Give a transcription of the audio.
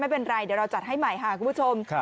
ไม่เป็นไรเดี๋ยวเราจัดให้ใหม่ค่ะคุณผู้ชม